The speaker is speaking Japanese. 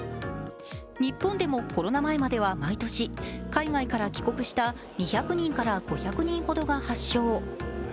日本でもコロナ前までは毎年、海外から帰国した２００人から５００人ほどが発症。